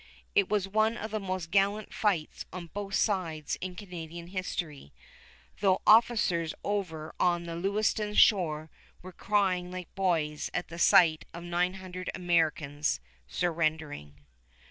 It was one of the most gallant fights on both sides in Canadian history, though officers over on the Lewiston shore were crying like boys at the sight of nine hundred Americans surrendering.